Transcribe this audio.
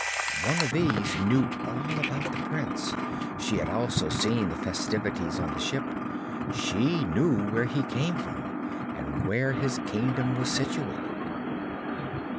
One of these knew all about the prince; she had also seen the festivities on the ship; she knew where he came from and where his kingdom was situated.